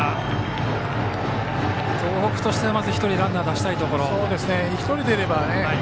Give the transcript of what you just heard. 東北としてはまず１人ランナー出したいところ。